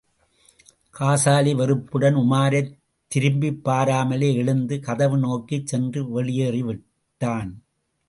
காசாலி, வெறுப்புடன் உமாரைத் திரும்பிப்பாராமலே எழுந்து, கதவு நோக்கிச் சென்று வெளியேறிவிட்டான்.